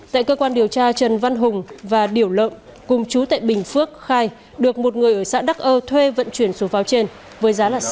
tại cơ quan điều tra trần văn hùng và điểu lợn cùng chú tại bình phước khai được một người ở xã đắc ơ thuê vận chuyển số pháo trên với giá sáu triệu đồng